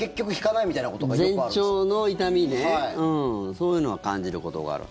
そういうのは感じることがある。